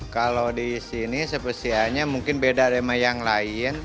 kalau di sini spesialnya mungkin beda sama yang lain